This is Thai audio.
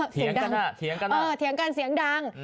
เถียงกันอ่ะเถียงกันมากเถียงกันเสียงดัง